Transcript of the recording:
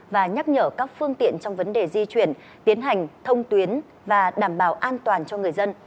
và nhắc nhở các phương tiện trong vấn đề di chuyển tiến hành thông tuyến và đảm bảo an toàn cho người dân